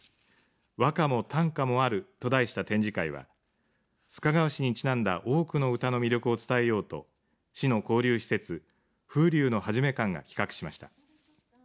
和歌も短歌もあると題した展示会は須賀川市にちなんだ多くの歌の魅力を伝えようと市の交流施設風流のはじめ館が企画しました。